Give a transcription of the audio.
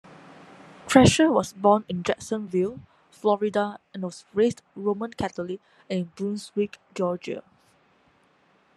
Trasher was born in Jacksonville, Florida and was raised Roman Catholic in Brunswick, Georgia.